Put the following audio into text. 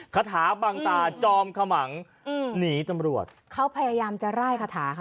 คาถาบังตาจอมขมังอืมหนีตำรวจเขาพยายามจะไล่คาถาค่ะ